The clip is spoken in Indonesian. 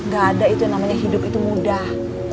gak ada itu yang namanya hidup itu mudah